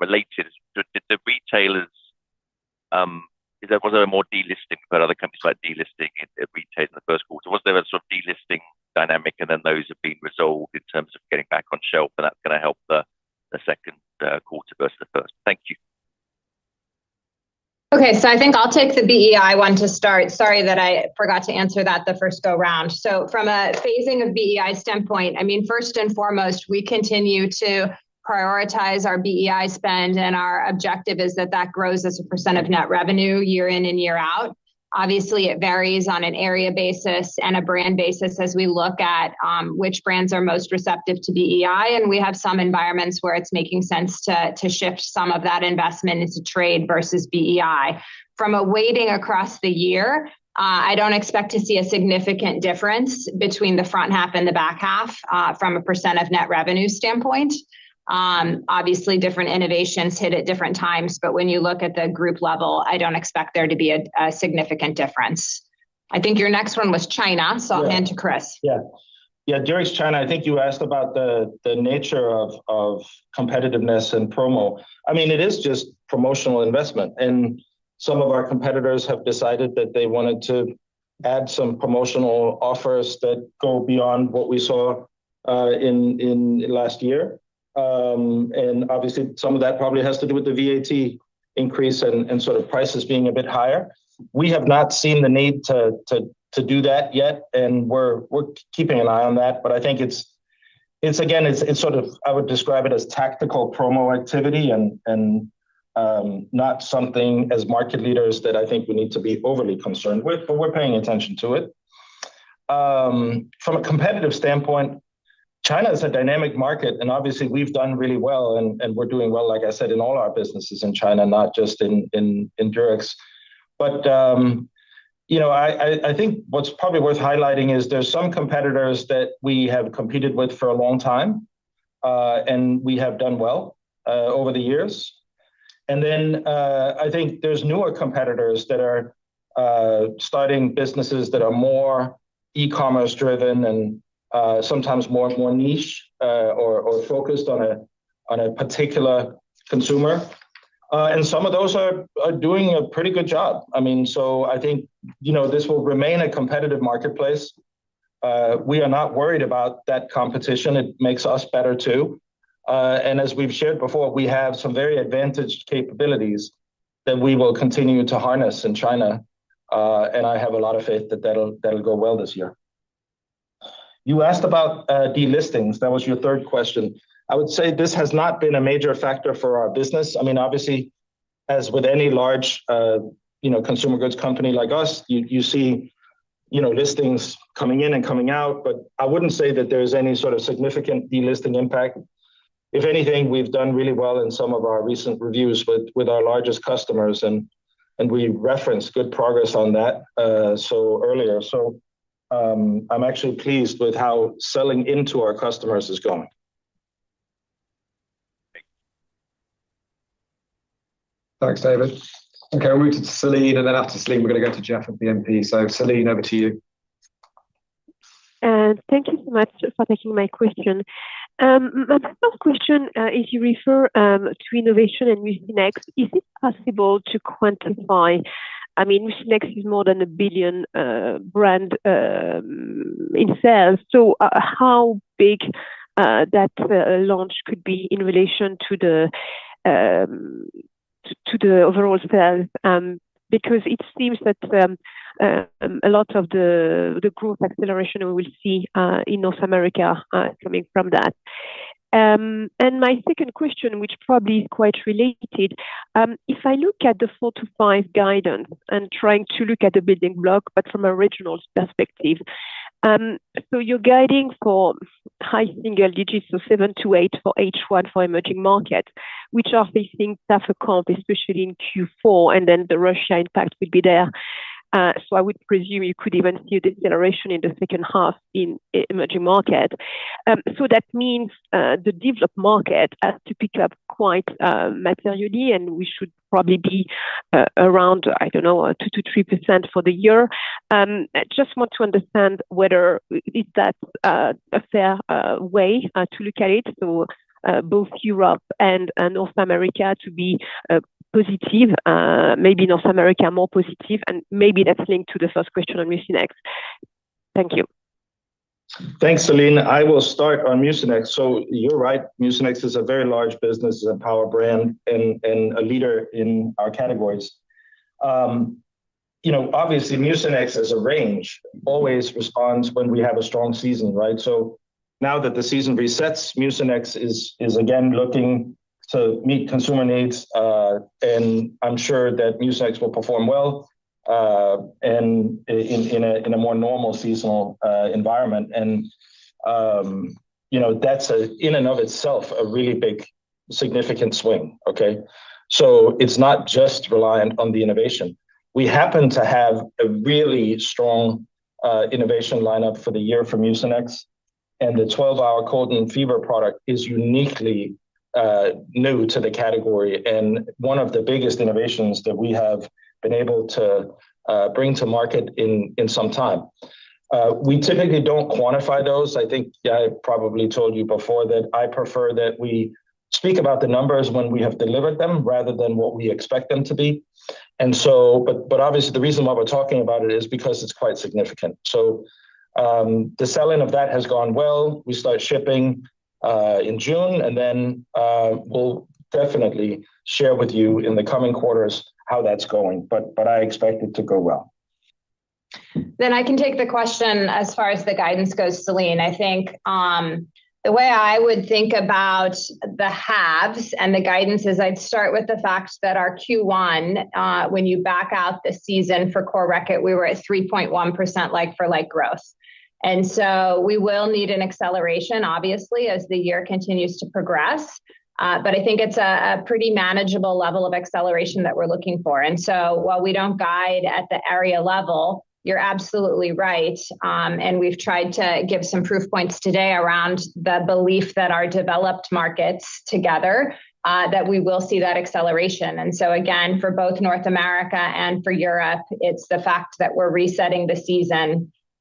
Related, was there more delisting for other companies, like delisting in retail in the first quarter? Was there a sort of delisting dynamic and then those have been resolved in terms of getting back on shelf, and that's going to help the second quarter versus the first? Thank you. Okay. I think I'll take the BEI one to start. Sorry that I forgot to answer that the first go round. From a phasing of BEI standpoint, first and foremost, we continue to prioritize our BEI spend, and our objective is that that grows as a percent of net revenue year in and year out. Obviously, it varies on an area basis and a brand basis as we look at which brands are most receptive to BEI, and we have some environments where it's making sense to shift some of that investment into trade versus BEI. From a weighting across the year, I don't expect to see a significant difference between the front half and the back half from a percent of net revenue standpoint. Obviously, different innovations hit at different times, but when you look at the group level, I don't expect there to be a significant difference. I think your next one was China. I'll hand to Kris. Yeah. Yeah, Durex China, I think you asked about the nature of competitiveness and promo. It is just promotional investment, and some of our competitors have decided that they wanted to add some promotional offers that go beyond what we saw in last year. Obviously, some of that probably has to do with the VAT increase and sort of prices being a bit higher. We have not seen the need to do that yet, and we're keeping an eye on that. I think it's, again, I would describe it as tactical promo activity and not something as market leaders that I think we need to be overly concerned with, but we're paying attention to it. From a competitive standpoint, China is a dynamic market, and obviously, we've done really well, and we're doing well, like I said, in all our businesses in China, not just in Durex. I think what's probably worth highlighting is there's some competitors that we have competed with for a long time, and we have done well over the years. Then I think there's newer competitors that are starting businesses that are more e-commerce driven and sometimes more niche or focused on a particular consumer. Some of those are doing a pretty good job. I think this will remain a competitive marketplace. We are not worried about that competition. It makes us better, too. As we've shared before, we have some very advantaged capabilities that we will continue to harness in China. I have a lot of faith that that'll go well this year. You asked about delistings, that was your third question. I would say this has not been a major factor for our business. Obviously, as with any large consumer goods company like us, you see listings coming in and coming out, but I wouldn't say that there's any sort of significant delisting impact. If anything, we've done really well in some of our recent reviews with our largest customers, and we referenced good progress on that earlier. I'm actually pleased with how selling into our customers is going. Thanks, David. Okay, we'll move to Celine, and then after Celine, we're going to go to Jeff at BNP. Celine, over to you. Thank you so much for taking my question. My first question, if you refer to innovation and Mucinex, is it possible to quantify. Mucinex is more than a $1 billion brand in sales, so how big that launch could be in relation to the overall sales? Because it seems that a lot of the growth acceleration we will see in North America coming from that. My second question, which probably is quite related, if I look at the 4%-5% guidance and trying to look at the building block, but from a regional perspective. You're guiding for high single digits, so 7%-8% for H1 for Emerging Markets, which are facing difficult, especially in Q4, and then the Russia impact will be there. I would presume you could even see deceleration in the second half in emerging market. That means the developed market has to pick up quite materially, and we should probably be around, I don't know, 2%-3% for the year. I just want to understand whether that is a fair way to look at it. Both Europe and North America to be positive, maybe North America more positive, and maybe that's linked to the first question on Mucinex. Thank you. Thanks, Celine. I will start on Mucinex. You're right, Mucinex is a very large business. It's a power brand and a leader in our categories. Obviously Mucinex as a range always responds when we have a strong season, right? Now that the season resets, Mucinex is again looking to meet consumer needs. I'm sure that Mucinex will perform well in a more normal seasonal environment. That's in and of itself a really big, significant swing. Okay? It's not just reliant on the innovation. We happen to have a really strong innovation lineup for the year from Mucinex, and the 12-hour cold and fever product is uniquely new to the category and one of the biggest innovations that we have been able to bring to market in some time. We typically don't quantify those. I think I probably told you before that I prefer that we speak about the numbers when we have delivered them rather than what we expect them to be. Obviously the reason why we're talking about it is because it's quite significant. The selling of that has gone well. We start shipping in June, and then we'll definitely share with you in the coming quarters how that's going, but I expect it to go well. I can take the question as far as the guidance goes, Celine. I think the way I would think about the halves and the guidance is I'd start with the fact that our Q1, when you back out the seasonality for Core Reckitt, we were at 3.1% like-for-like growth. We will need an acceleration, obviously, as the year continues to progress. I think it's a pretty manageable level of acceleration that we're looking for. While we don't guide at the area level, you're absolutely right. We've tried to give some proof points today around the belief that our developed markets together, that we will see that acceleration. Again, for both North America and for Europe, it's the fact that we're resetting the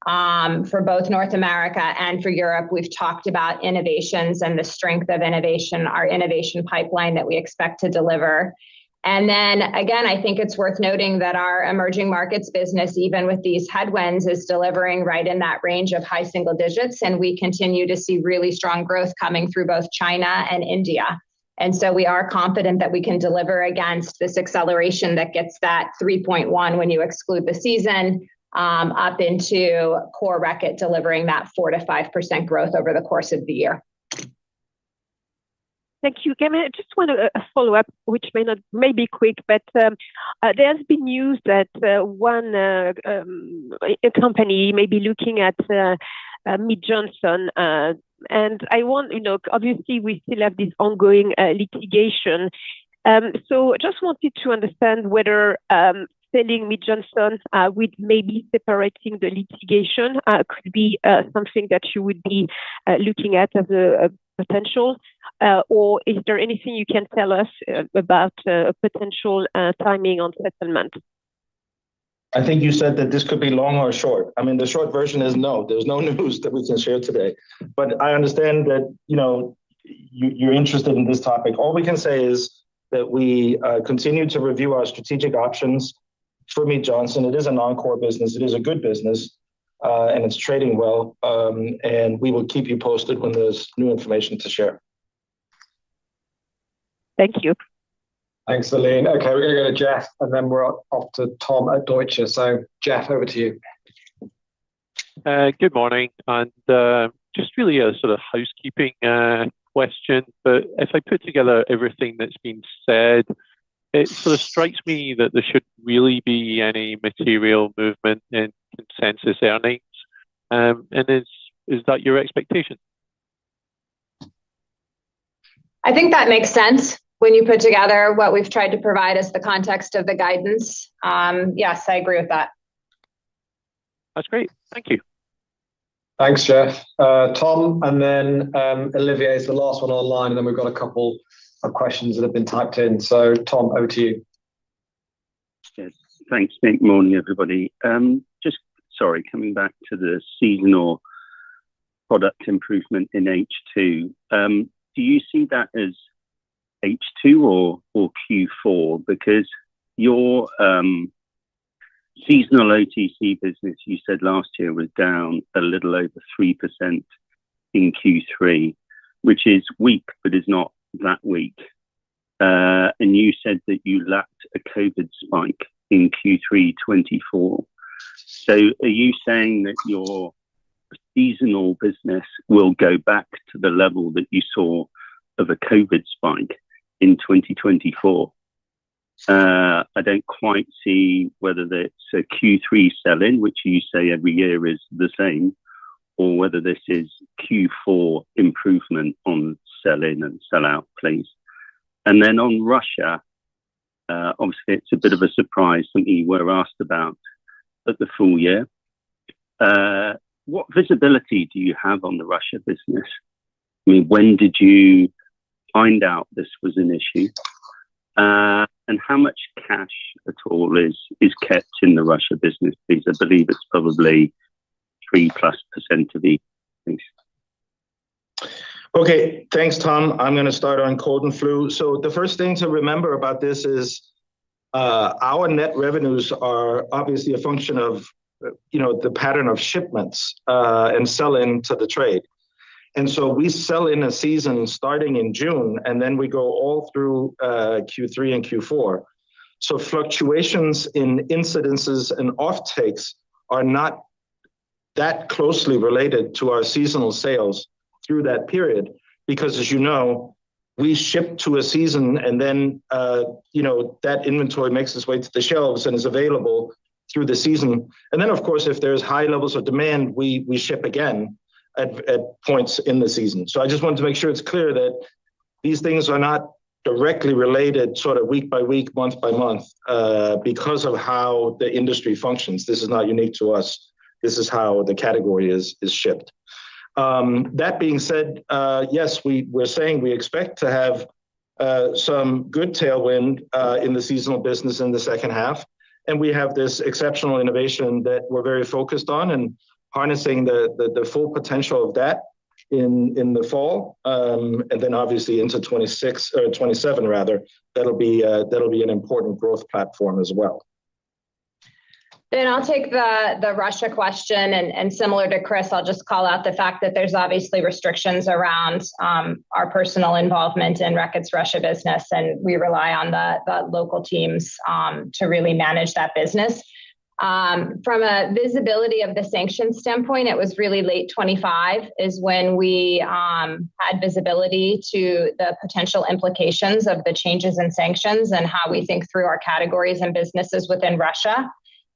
seasonality. For both North America and for Europe, we've talked about innovations and the strength of innovation, our innovation pipeline that we expect to deliver. Again, I think it's worth noting that our Emerging Markets business, even with these headwinds, is delivering right in that range of high single digits, and we continue to see really strong growth coming through both China and India. We are confident that we can deliver against this acceleration that gets that 3.1% when you exclude the season, up into Core Reckitt delivering that 4%-5% growth over the course of the year. Thank you. Can I just follow up, which may be quick, but there has been news that one company may be looking at Mead Johnson. Obviously we still have this ongoing litigation. Just wanted to understand whether selling Mead Johnson with maybe separating the litigation could be something that you would be looking at as a potential. Is there anything you can tell us about potential timing on settlement? I think you said that this could be long or short. The short version is no, there's no news that we can share today. I understand that you're interested in this topic. All we can say is that we continue to review our strategic options for Mead Johnson. It is a non-core business, it is a good business, and it's trading well. We will keep you posted when there's new information to share. Thank you. Thanks, Celine. Okay, we're going to go to Jeff, and then we're off to Tom at Deutsche. Jeff, over to you. Good morning, and just really a sort of housekeeping question, but as I put together everything that's been said, it sort of strikes me that there shouldn't really be any material movement in consensus earnings. Is that your expectation? I think that makes sense when you put together what we've tried to provide as the context of the guidance. Yes, I agree with that. That's great. Thank you. Thanks, Jeff. Tom, and then Olivier is the last one online, and then we've got a couple of questions that have been typed in. Tom, over to you. Yes, thanks. Good morning, everybody. Just, sorry, coming back to the seasonal product improvement in H2. Do you see that as H2 or Q4? Because your seasonal OTC business, you said last year was down a little over 3% in Q3, which is weak, but is not that weak. You said that you lacked a COVID spike in Q3 2024. Are you saying that your seasonal business will go back to the level that you saw of a COVID spike in 2024? I don't quite see whether it's a Q3 sell-in, which you say every year is the same, or whether this is Q4 improvement on sell-in and sell-out, please. Then on Russia, obviously, it's a bit of a surprise, something you were asked about at the full year. What visibility do you have on the Russia business? I mean, when did you find out this was an issue? How much cash at all is kept in the Russia business, please? I believe it's probably 3%+ of the. Okay. Thanks, Tom. I'm going to start on cold and flu. The first thing to remember about this is our net revenues are obviously a function of the pattern of shipments and sell-in to the trade. We sell in a season starting in June, and then we go all through Q3 and Q4. Fluctuations in incidences and off-takes are not that closely related to our seasonal sales through that period, because as you know, we ship to a season and then that inventory makes its way to the shelves and is available through the season. Then, of course, if there's high levels of demand, we ship again at points in the season. I just wanted to make sure it's clear that these things are not directly related sort of week by week, month by month, because of how the industry functions. This is not unique to us. This is how the category is shipped. That being said, yes, we're saying we expect to have some good tailwind in the seasonal business in the second half, and we have this exceptional innovation that we're very focused on and harnessing the full potential of that in the fall. Obviously into 2026, or 2027 rather, that'll be an important growth platform as well. I'll take the Russia question, and similar to Kris, I'll just call out the fact that there's obviously restrictions around our personal involvement in Reckitt's Russia business, and we rely on the local teams to really manage that business. From a visibility of the sanctions standpoint, it was really late 2025 is when we had visibility to the potential implications of the changes in sanctions and how we think through our categories and businesses within Russia.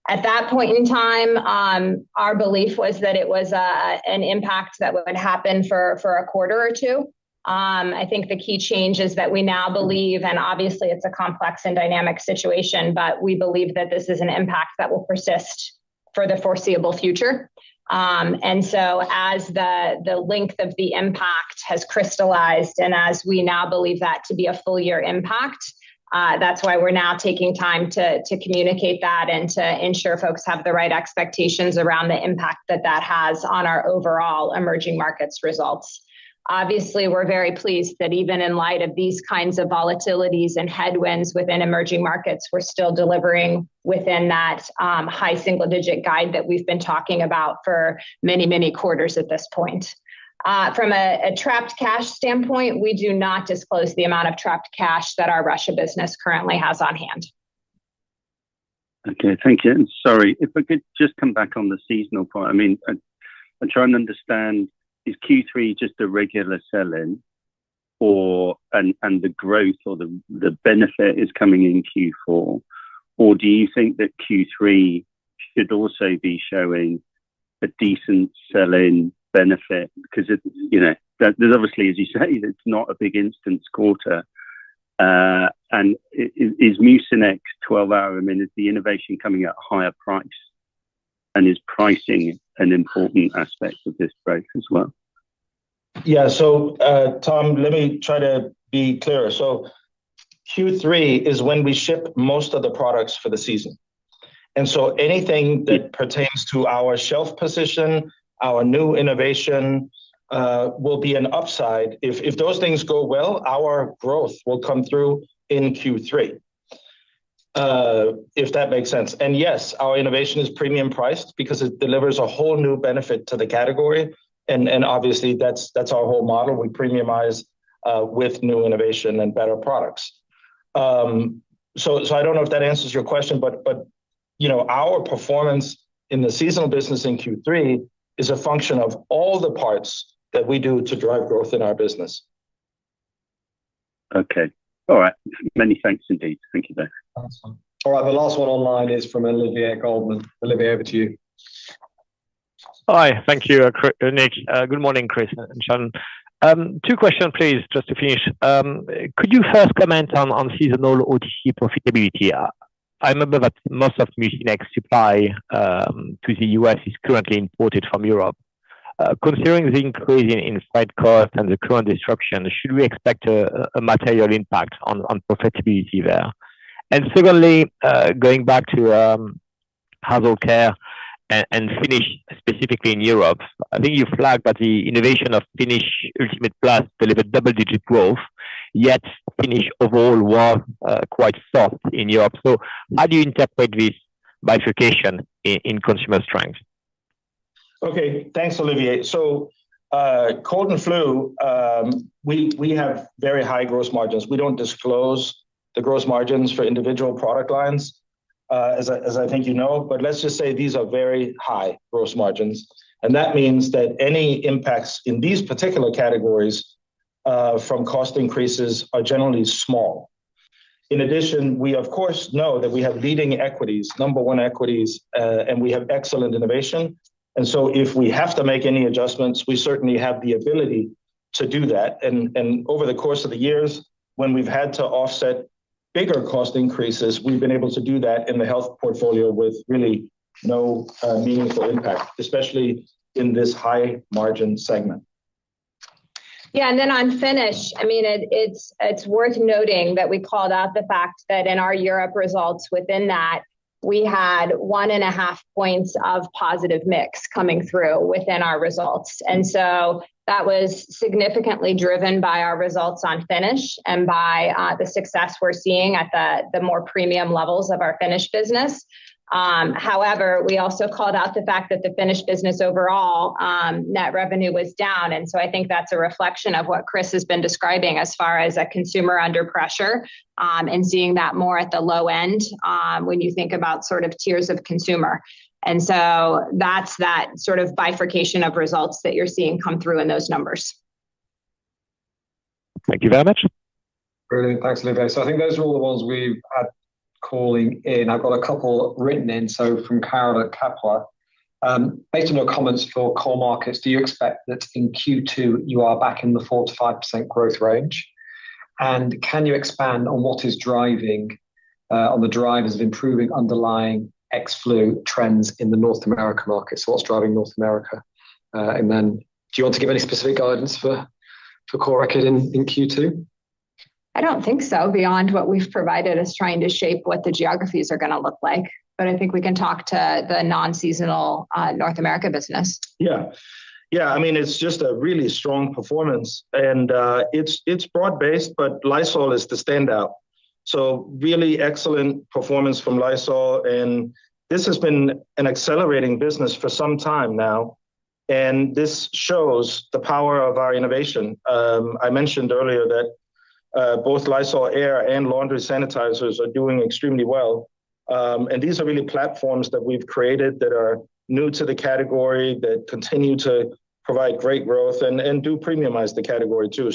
At that point in time, our belief was that it was an impact that would happen for a quarter or two. I think the key change is that we now believe, and obviously it's a complex and dynamic situation, but we believe that this is an impact that will persist for the foreseeable future. As the length of the impact has crystallized and as we now believe that to be a full-year impact, that's why we're now taking time to communicate that and to ensure folks have the right expectations around the impact that that has on our overall Emerging Markets results. Obviously, we're very pleased that even in light of these kinds of volatilities and headwinds within Emerging Markets, we're still delivering within that high single-digit guide that we've been talking about for many, many quarters at this point. From a trapped cash standpoint, we do not disclose the amount of trapped cash that our Russia business currently has on hand. Okay, thank you. Sorry, if I could just come back on the seasonal part. I mean, I'm trying to understand, is Q3 just a regular sell-in and the growth or the benefit is coming in Q4? Or do you think that Q3 should also be showing a decent sell-in benefit? Because there's obviously, as you say, it's not a big in-season quarter. Is Mucinex 12-Hour, I mean, is the innovation coming at a higher price? And is pricing an important aspect of this growth as well? Yeah. Tom, let me try to be clearer. Q3 is when we ship most of the products for the season. Anything that pertains to our shelf position, our new innovation, will be an upside. If those things go well, our growth will come through in Q3. If that makes sense. Yes, our innovation is premium priced because it delivers a whole new benefit to the category, and obviously that's our whole model. We premiumize with new innovation and better products. I don't know if that answers your question, but our performance in the seasonal business in Q3 is a function of all the parts that we do to drive growth in our business. Okay. All right. Many thanks indeed. Thank you. Awesome. All right, the last one online is from Olivier, Goldman. Olivier, over to you. Hi. Thank you, Nick. Good morning, Kris and Shannon. Two questions, please, just to finish. Could you first comment on seasonal OTC profitability? I remember that most of Mucinex supply to the U.S. is currently imported from Europe. Considering the increase in freight cost and the current disruption, should we expect a material impact on profitability there? And secondly, going back to Household Care and Finish specifically in Europe, I think you flagged that the innovation of Finish Ultimate Plus delivered double-digit growth, yet Finish overall was quite soft in Europe. How do you interpret this bifurcation in consumer strength? Okay. Thanks, Olivier. Cold and flu, we have very high gross margins. We don't disclose the gross margins for individual product lines, as I think you know. Let's just say these are very high gross margins, and that means that any impacts in these particular categories, from cost increases are generally small. In addition, we of course know that we have leading equities, number one equities, and we have excellent innovation. If we have to make any adjustments, we certainly have the ability to do that. Over the course of the years, when we've had to offset bigger cost increases, we've been able to do that in the health portfolio with really no meaningful impact, especially in this high-margin segment. Yeah. Then on Finish, it's worth noting that we called out the fact that in our Europe results within that, we had 1.5 points of positive mix coming through within our results. That was significantly driven by our results on Finish and by the success we're seeing at the more premium levels of our Finish business. However, we also called out the fact that the Finish business overall net revenue was down. I think that's a reflection of what Kris has been describing as far as a consumer under pressure, and seeing that more at the low end, when you think about sort of tiers of consumer. That's that sort of bifurcation of results that you're seeing come through in those numbers. Thank you very much. Brilliant. Thanks, Olivier. I think those are all the ones we had calling in. I've got a couple written in, so from Carol at Capital One. Based on your comments for Core Reckitt, do you expect that in Q2 you are back in the 4%-5% growth range? Can you expand on what is driving, on the drivers of improving underlying ex-flu trends in the North America market? What's driving North America? Then do you want to give any specific guidance for Core Reckitt in Q3? I don't think so, beyond what we've provided as trying to shape what the geographies are going to look like. I think we can talk to the non-seasonal North America business. Yeah. It's just a really strong performance and it's broad-based, but Lysol is the standout. Really excellent performance from Lysol, and this has been an accelerating business for some time now, and this shows the power of our innovation. I mentioned earlier that both Lysol Air and laundry sanitizers are doing extremely well. These are really platforms that we've created that are new to the category, that continue to provide great growth and do premiumize the category too.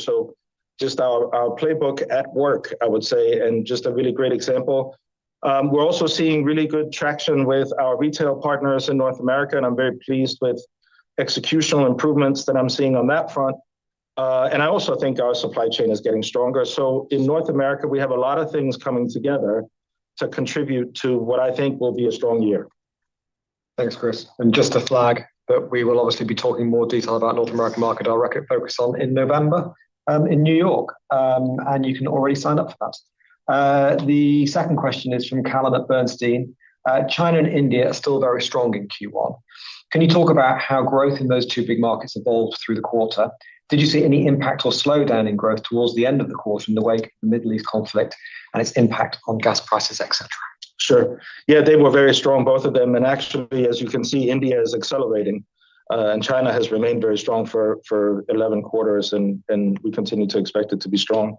Just our playbook at work, I would say, and just a really great example. We're also seeing really good traction with our retail partners in North America, and I'm very pleased with executional improvements that I'm seeing on that front. I also think our supply chain is getting stronger. In North America, we have a lot of things coming together to contribute to what I think will be a strong year. Thanks, Kris. Just to flag that we will obviously be talking more detail about North America market, our Reckitt Focus On in November, in New York. You can already sign up for that. The second question is from Callum at Bernstein. China and India are still very strong in Q1. Can you talk about how growth in those two big markets evolved through the quarter? Did you see any impact or slowdown in growth towards the end of the quarter in the wake of the Middle East conflict and its impact on gas prices, et cetera? Sure. Yeah, they were very strong, both of them. Actually, as you can see, India is accelerating. China has remained very strong for 11 quarters, and we continue to expect it to be strong.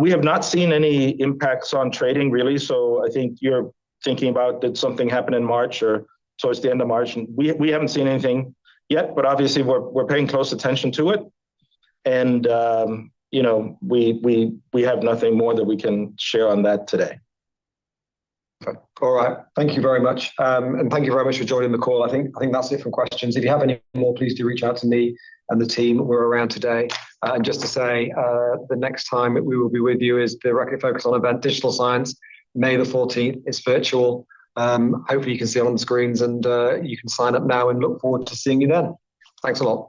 We have not seen any impacts on trading, really. I think you're thinking about did something happen in March or towards the end of March, and we haven't seen anything yet, but obviously we're paying close attention to it and we have nothing more that we can share on that today. Okay. All right. Thank you very much. Thank you very much for joining the call. I think that's it for questions. If you have any more, please do reach out to me and the team. We're around today. Just to say, the next time that we will be with you is the Reckitt Focus On event, Digital Science, May 14th. It's virtual. Hopefully you can see it on the screens and you can sign up now and look forward to seeing you then. Thanks a lot.